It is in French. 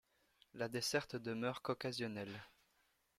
La desserte demeure qu’occasionnelle.